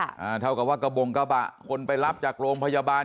เท่ากับว่ากระบงกระบะคนไปรับจากโรงพยาบาล